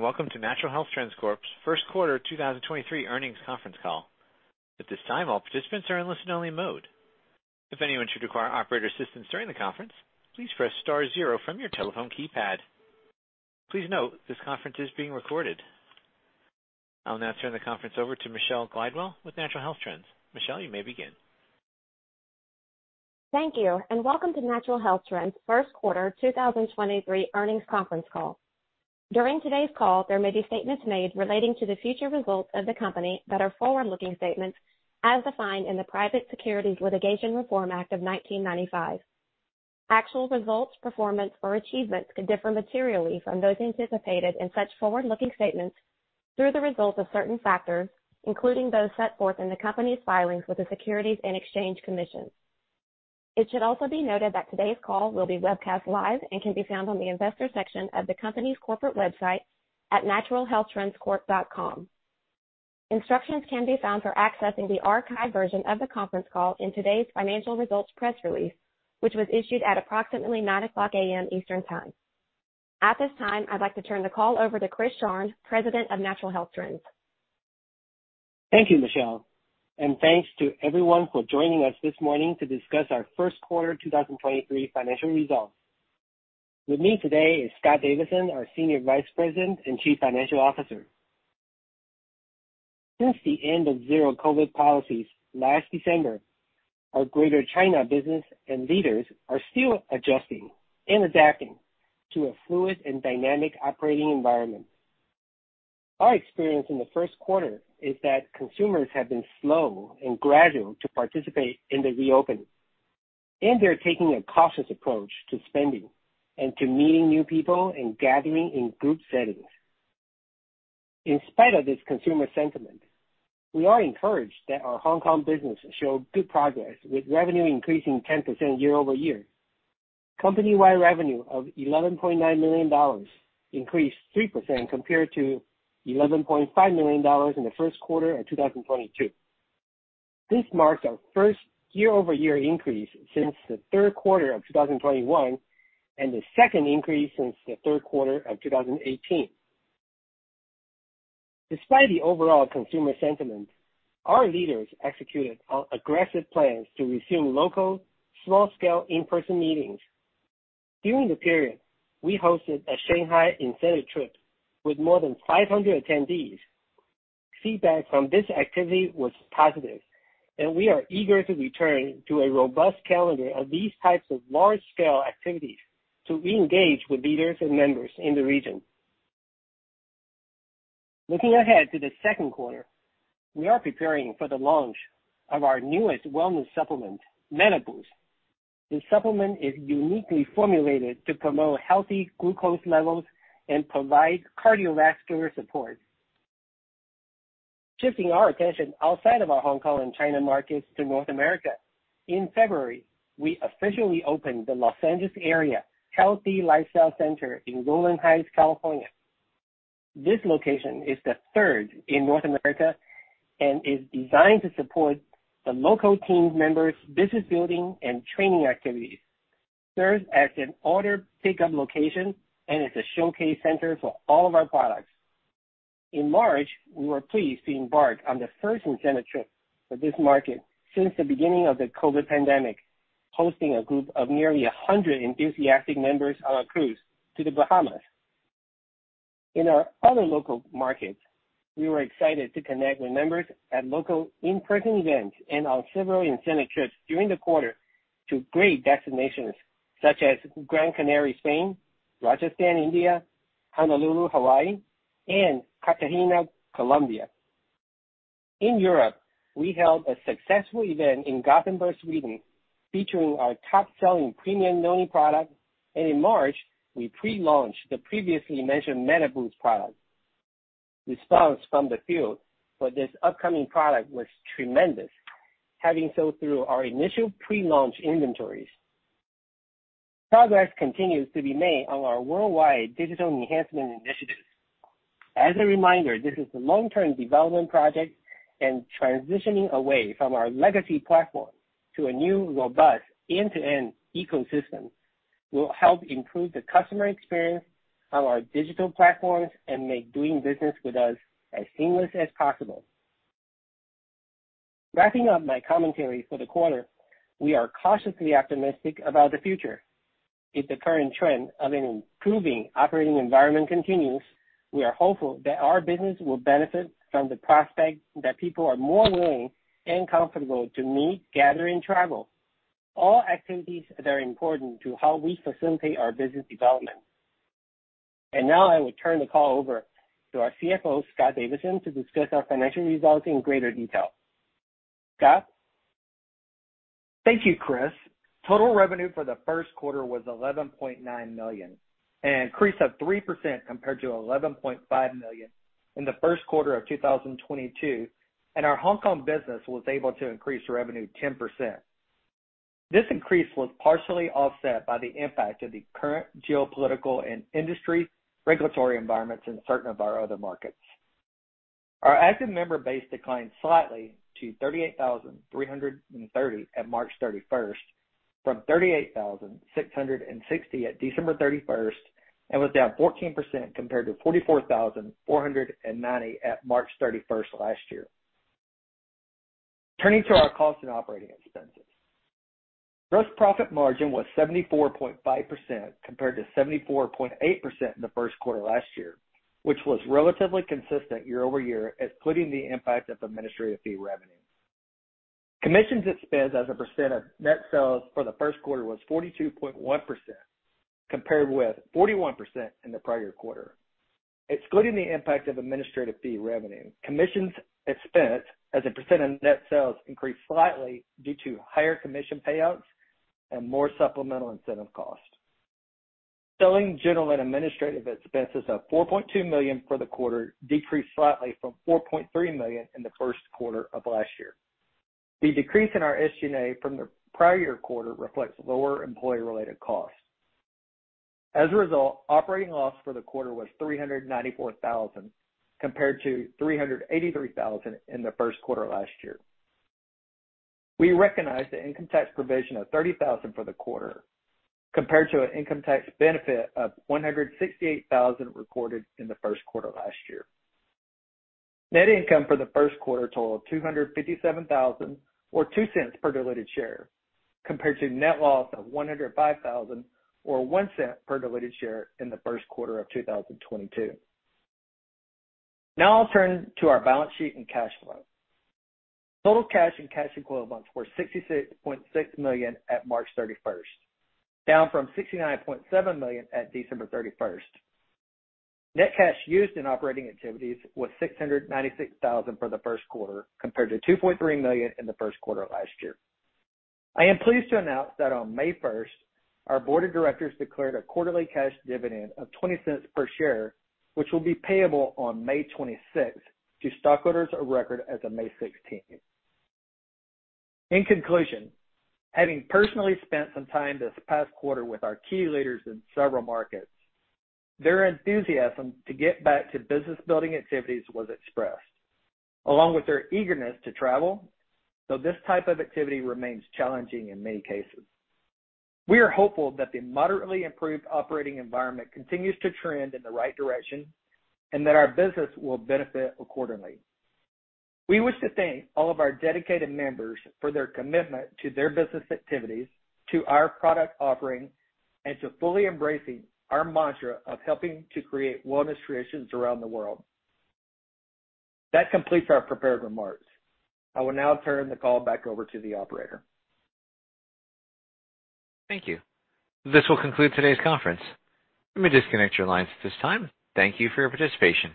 Greetings, welcome to Natural Health Trends Corp's first quarter 2023 earnings conference call. At this time, all participants are in listen only mode. If anyone should require operator assistance during the conference, please press star zero from your telephone keypad. Please note this conference is being recorded. I'll now turn the conference over to Michelle Glidewell with Natural Health Trends. Michelle, you may begin. Thank you. Welcome to Natural Health Trends first quarter 2023 earnings conference call. During today's call, there may be statements made relating to the future results of the company that are forward-looking statements as defined in the Private Securities Litigation Reform Act of 1995. Actual results, performance, or achievements could differ materially from those anticipated in such forward-looking statements through the results of certain factors, including those set forth in the company's filings with the Securities and Exchange Commission. It should also be noted that today's call will be webcast live and can be found on the investor section of the company's corporate website at naturalhealthtrendscorp.com. Instructions can be found for accessing the archived version of the conference call in today's financial results press release, which was issued at approximately 9:00 A.M. Eastern Time. At this time, I'd like to turn the call over to Chris Sharng, President of Natural Health Trends. Thank you, Michelle. Thanks to everyone for joining us this morning to discuss our first quarter 2023 financial results. With me today is Scott Davidson, our Senior Vice President and Chief Financial Officer. Since the end of zero COVID policies last December, our Greater China business and leaders are still adjusting and adapting to a fluid and dynamic operating environment. Our experience in the first quarter is that consumers have been slow and gradual to participate in the reopening, and they're taking a cautious approach to spending and to meeting new people and gathering in group settings. In spite of this consumer sentiment, we are encouraged that our Hong Kong business showed good progress, with revenue increasing 10% year-over-year. Company-wide revenue of $11.9 million increased 3% compared to $11.5 million in the first quarter of 2022. This marks our first year-over-year increase since the third quarter of 2021 and the second increase since the third quarter of 2018. Despite the overall consumer sentiment, our leaders executed our aggressive plans to resume local small-scale in-person meetings. During the period, we hosted a Shanghai incentive trip with more than 500 attendees. Feedback from this activity was positive, and we are eager to return to a robust calendar of these types of large-scale activities to reengage with leaders and members in the region. Looking ahead to the second quarter, we are preparing for the launch of our newest wellness supplement, MetaBoost. This supplement is uniquely formulated to promote healthy glucose levels and provide cardiovascular support. Shifting our attention outside of our Hong Kong and China markets to North America, in February, we officially opened the Los Angeles Area Healthy Lifestyle Center in Rowland Heights, California. This location is the third in North America and is designed to support the local team members' business building and training activities, serves as an order pickup location, and as a showcase center for all of our products. In March, we were pleased to embark on the first incentive trip for this market since the beginning of the COVID pandemic, hosting a group of nearly 100 enthusiastic members on a cruise to The Bahamas. In our other local markets, we were excited to connect with members at local in-person events and on several incentive trips during the quarter to great destinations such as Gran Canaria, Spain; Rajasthan, India; Honolulu, Hawaii; and Cartagena, Colombia. In Europe, we held a successful event in Gothenburg, Sweden, featuring our top-selling premium Noni product. In March, we pre-launched the previously mentioned MetaBoost product. Response from the field for this upcoming product was tremendous, having sold through our initial pre-launch inventories. Progress continues to be made on our worldwide digital enhancement initiatives. As a reminder, this is a long-term development project, and transitioning away from our legacy platform to a new, robust end-to-end ecosystem will help improve the customer experience on our digital platforms and make doing business with us as seamless as possible. Wrapping up my commentary for the quarter, we are cautiously optimistic about the future. If the current trend of an improving operating environment continues, we are hopeful that our business will benefit from the prospect that people are more willing and comfortable to meet, gather, and travel. All activities that are important to how we facilitate our business development. Now I will turn the call over to our CFO, Scott Davidson, to discuss our financial results in greater detail. Scott? Thank you, Chris. Total revenue for the first quarter was $11.9 million, an increase of 3% compared to $11.5 million in the first quarter of 2022. Our Hong Kong business was able to increase revenue 10%. This increase was partially offset by the impact of the current geopolitical and industry regulatory environments in certain of our other markets. Our active member base declined slightly to 38,330 at March 31st, from 38,660 at December thirty-first, and was down 14% compared to 44,490 at March 31st last year. Turning to our cost and operating expenses. Gross profit margin was 74.5% compared to 74.8% in the first quarter last year, which was relatively consistent year-over-year, excluding the impact of administrative fee revenue. Commissions expense as a percent of net sales for the first quarter was 42.1% compared with 41% in the prior quarter. Excluding the impact of administrative fee revenue, commissions expense as a percent of net sales increased slightly due to higher commission payouts and more supplemental incentive costs. Selling, General, and Administrative expenses of $4.2 million for the quarter decreased slightly from $4.3 million in the first quarter of last year. The decrease in our SG&A from the prior year quarter reflects lower employee-related costs. Operating loss for the quarter was $394,000 compared to $383,000 in the first quarter last year. We recognized the income tax provision of $30,000 for the quarter compared to an income tax benefit of $168,000 recorded in the first quarter last year. Net income for the first quarter totaled $257,000 or $0.02 per diluted share, compared to net loss of $105,000 or $0.01 per diluted share in the first quarter of 2022. I'll turn to our balance sheet and cash flow. Total cash and cash equivalents were $66.6 million at March 31st, down from $69.7 million at December 31st. Net cash used in operating activities was $696,000 for the first quarter, compared to $2.3 million in the first quarter last year. I am pleased to announce that on May 1st, our board of directors declared a quarterly cash dividend of $0.20 per share, which will be payable on May 26th to stockholders of record as of May 16th. In conclusion, having personally spent some time this past quarter with our key leaders in several markets, their enthusiasm to get back to business-building activities was expressed, along with their eagerness to travel, though this type of activity remains challenging in many cases. We are hopeful that the moderately improved operating environment continues to trend in the right direction and that our business will benefit accordingly. We wish to thank all of our dedicated members for their commitment to their business activities, to our product offerings, and to fully embracing our mantra of helping to create wellness traditions around the world. That completes our prepared remarks. I will now turn the call back over to the operator. Thank you. This will conclude today's conference. You may disconnect your lines at this time. Thank you for your participation.